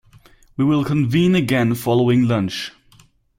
We will convene again following lunch.